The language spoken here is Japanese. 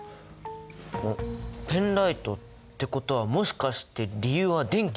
おっペンライトってことはもしかして理由は電気？